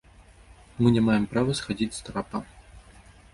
Мы не маем права схадзіць з трапа.